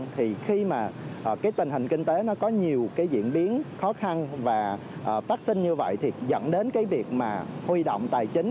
thì khi mà tình hình kinh tế có nhiều diễn biến khó khăn và phát sinh như vậy thì dẫn đến việc huy động tài chính